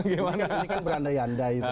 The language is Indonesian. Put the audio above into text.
ini kan berandai andai